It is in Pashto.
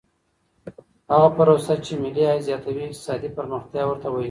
هغه پروسه چي ملي عايد زياتوي اقتصادي پرمختيا ورته ويل کېږي.